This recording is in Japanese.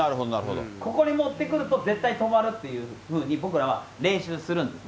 ここに持ってくると、絶対止まるっていうふうに、僕らは練習するんですね。